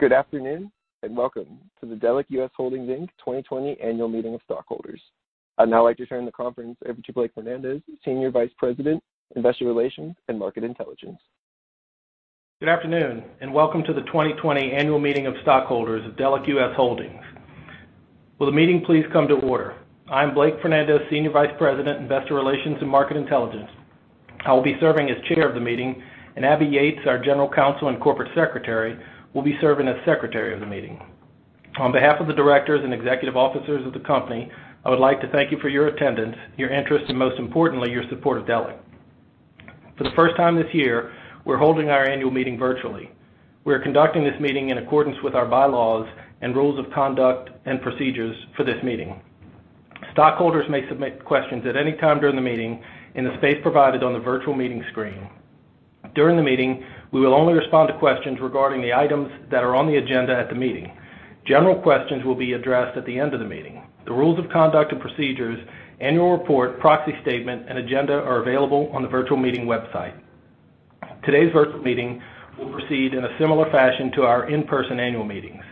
Good afternoon, and welcome to the Delek US Holdings, Inc. 2020 Annual Meeting of Stockholders. I'd now like to turn the conference over to Blake Fernandez, Senior Vice President, Investor Relations and Market Intelligence. Good afternoon, and welcome to the 2020 Annual Meeting of Stockholders of Delek US Holdings. Will the meeting please come to order? I'm Blake Fernandez, Senior Vice President, Investor Relations and Market Intelligence. I will be serving as chair of the meeting, and Abby Yates, our General Counsel and Corporate Secretary, will be serving as Secretary of the meeting. On behalf of the directors and executive officers of the company, I would like to thank you for your attendance, your interest, and most importantly, your support of Delek. For the first time this year, we're holding our annual meeting virtually. We are conducting this meeting in accordance with our bylaws and rules of conduct and procedures for this meeting. Stockholders may submit questions at any time during the meeting in the space provided on the virtual meeting screen. During the meeting, we will only respond to questions regarding the items that are on the agenda at the meeting. General questions will be addressed at the end of the meeting. The rules of conduct and procedures, annual report, proxy statement, and agenda are available on the virtual meeting website. Today's virtual meeting will proceed in a similar fashion to our in-person annual meetings.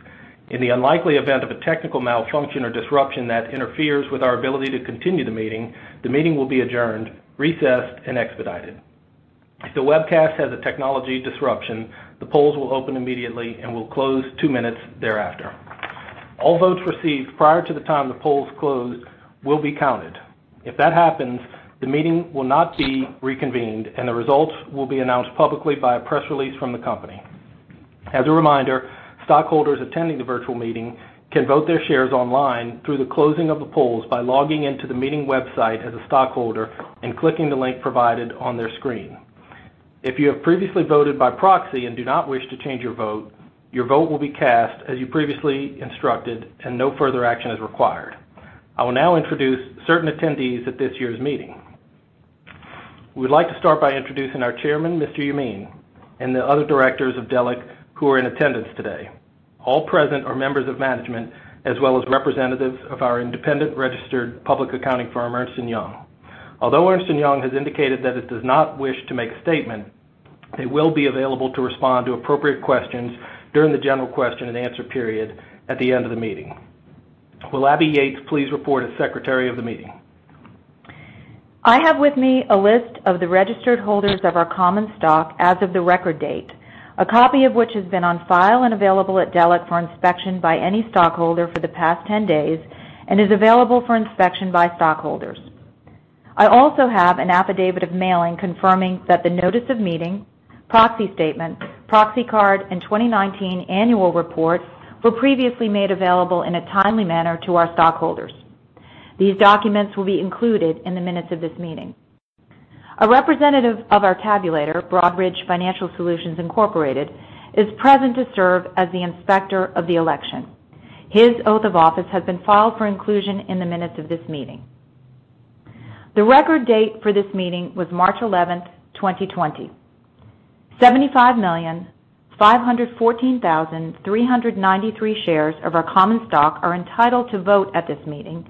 In the unlikely event of a technical malfunction or disruption that interferes with our ability to continue the meeting, the meeting will be adjourned, recessed, and expedited. If the webcast has a technology disruption, the polls will open immediately and will close two minutes thereafter. All votes received prior to the time the polls close will be counted. If that happens, the meeting will not be reconvened, and the results will be announced publicly by a press release from the company. As a reminder, stockholders attending the virtual meeting can vote their shares online through the closing of the polls by logging into the meeting website as a stockholder and clicking the link provided on their screen. If you have previously voted by proxy and do not wish to change your vote, your vote will be cast as you previously instructed, and no further action is required. I will now introduce certain attendees at this year's meeting. We'd like to start by introducing our chairman, Mr. Yemin, and the other directors of Delek who are in attendance today. All present are members of management, as well as representatives of our independent registered public accounting firm, Ernst & Young. Although Ernst & Young has indicated that it does not wish to make a statement, they will be available to respond to appropriate questions during the general question-and-answer period at the end of the meeting. Will Abby Yates please report as Secretary of the meeting? I have with me a list of the registered holders of our common stock as of the record date, a copy of which has been on file and available at Delek for inspection by any stockholder for the past 10 days and is available for inspection by stockholders. I also have an affidavit of mailing confirming that the notice of meeting, proxy statement, proxy card, and 2019 annual report were previously made available in a timely manner to our stockholders. These documents will be included in the minutes of this meeting. A representative of our tabulator, Broadridge Financial Solutions, Inc., is present to serve as the inspector of the election. His oath of office has been filed for inclusion in the minutes of this meeting. The record date for this meeting was March 11th, 2020. 75.51 million shares of our common stock are entitled to vote at this meeting,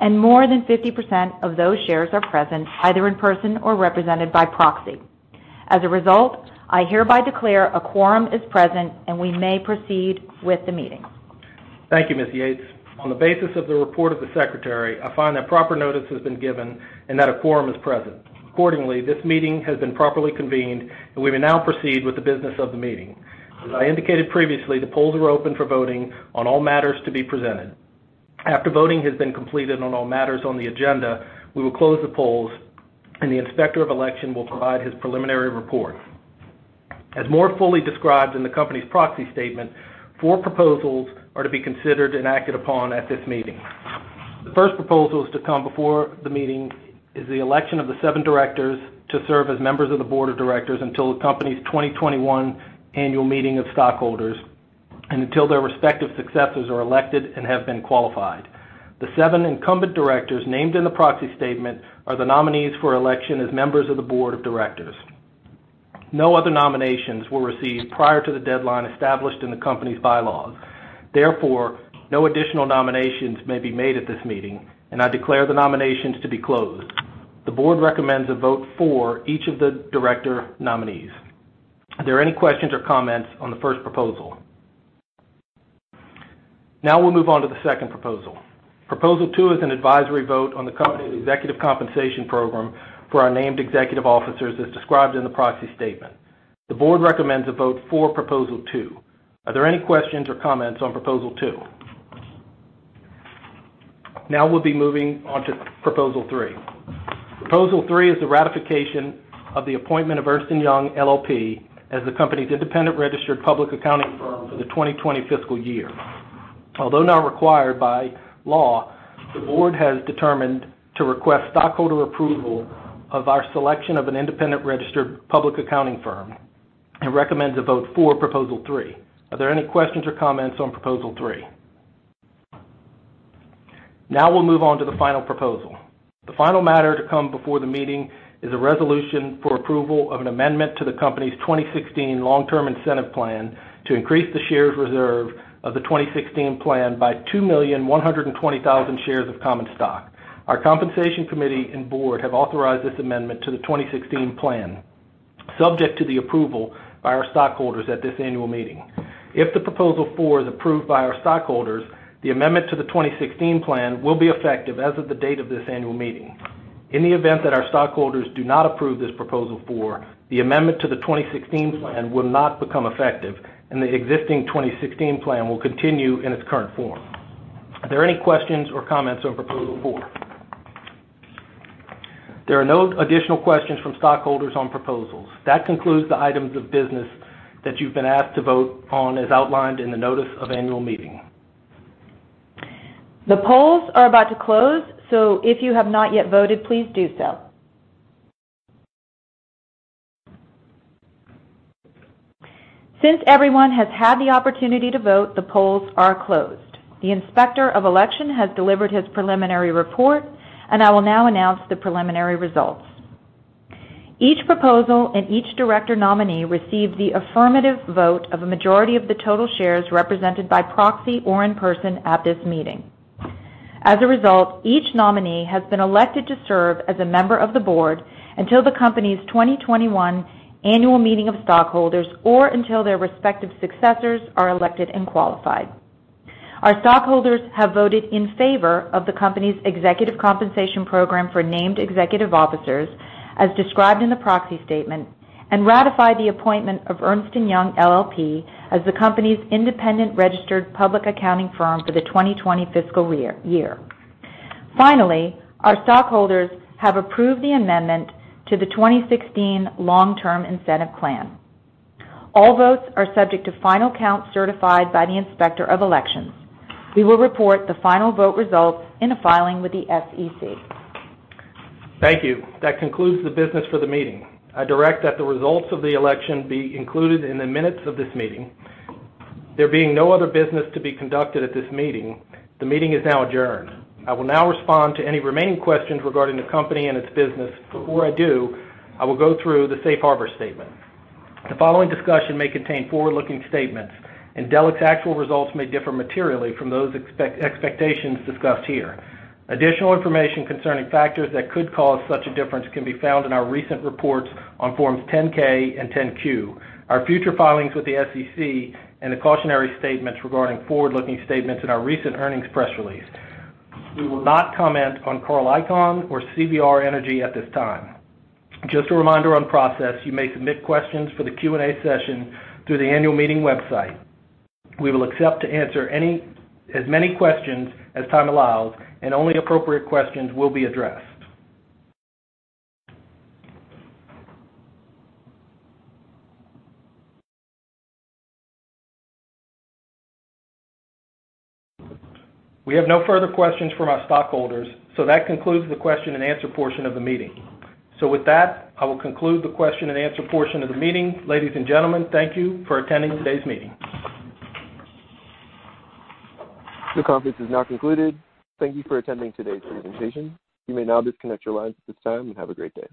and more than 50% of those shares are present either in person or represented by proxy. As a result, I hereby declare a quorum is present, and we may proceed with the meeting. Thank you, Ms. Yates. On the basis of the report of the Secretary, I find that proper notice has been given and that a quorum is present. Accordingly, this meeting has been properly convened, and we may now proceed with the business of the meeting. As I indicated previously, the polls are open for voting on all matters to be presented. After voting has been completed on all matters on the agenda, we will close the polls, and the inspector of election will provide his preliminary report. As more fully described in the company's proxy statement, four proposals are to be considered and acted upon at this meeting. The first proposal is to come before the meeting is the election of the seven directors to serve as members of the board of directors until the company's 2021 annual meeting of stockholders and until their respective successors are elected and have been qualified. The seven incumbent directors named in the proxy statement are the nominees for election as members of the board of directors. No other nominations were received prior to the deadline established in the company's bylaws. Therefore, no additional nominations may be made at this meeting, and I declare the nominations to be closed. The board recommends a vote for each of the director nominees. Are there any questions or comments on the first proposal? Now we'll move on to the second proposal. Proposal two is an advisory vote on the company's executive compensation program for our named executive officers as described in the proxy statement. The board recommends a vote for proposal two. Are there any questions or comments on proposal two? We'll be moving on to proposal three. Proposal three is the ratification of the appointment of Ernst & Young LLP as the company's independent registered public accounting firm for the 2020 fiscal year. Although not required by law, the board has determined to request stockholder approval of our selection of an independent registered public accounting firm and recommends a vote for proposal three. Are there any questions or comments on proposal three? We'll move on to the final proposal. The final matter to come before the meeting is a resolution for approval of an amendment to the company's 2016 long-term incentive plan to increase the shares reserve of the 2016 plan by 2.12 million shares of common stock. Our compensation committee and board have authorized this amendment to the 2016 plan, subject to the approval by our stockholders at this annual meeting. If the proposal four is approved by our stockholders, the amendment to the 2016 plan will be effective as of the date of this annual meeting. In the event that our stockholders do not approve this proposal four, the amendment to the 2016 plan will not become effective, and the existing 2016 plan will continue in its current form. Are there any questions or comments on proposal four? There are no additional questions from stockholders on proposals. That concludes the items of business that you've been asked to vote on as outlined in the notice of annual meeting. The polls are about to close. If you have not yet voted, please do so. Since everyone has had the opportunity to vote, the polls are closed. The Inspector of Election has delivered his preliminary report. I will now announce the preliminary results. Each proposal and each director nominee received the affirmative vote of a majority of the total shares represented by proxy or in person at this meeting. As a result, each nominee has been elected to serve as a member of the board until the company's 2021 annual meeting of stockholders or until their respective successors are elected and qualified. Our stockholders have voted in favor of the company's executive compensation program for named executive officers, as described in the proxy statement, and ratified the appointment of Ernst & Young LLP as the company's independent registered public accounting firm for the 2020 fiscal year. Our stockholders have approved the amendment to the 2016 long-term incentive plan. All votes are subject to final count certified by the Inspector of Elections. We will report the final vote results in a filing with the SEC. Thank you. That concludes the business for the meeting. I direct that the results of the election be included in the minutes of this meeting. There being no other business to be conducted at this meeting, the meeting is now adjourned. I will now respond to any remaining questions regarding the company and its business, but before I do, I will go through the safe harbor statement. The following discussion may contain forward-looking statements, and Delek's actual results may differ materially from those expectations discussed here. Additional information concerning factors that could cause such a difference can be found in our recent reports on Forms 10-K and 10-Q, our future filings with the SEC, and the cautionary statements regarding forward-looking statements in our recent earnings press release. We will not comment on Carl Icahn or CVR Energy at this time. Just a reminder on process, you may submit questions for the Q&A session through the annual meeting website. We will accept to answer as many questions as time allows, and only appropriate questions will be addressed. We have no further questions from our stockholders, so that concludes the question-and-answer portion of the meeting. With that, I will conclude the question-and-answer portion of the meeting. Ladies and gentlemen, thank you for attending today's meeting. The conference is now concluded. Thank you for attending today's presentation. You may now disconnect your lines at this time, and have a great day.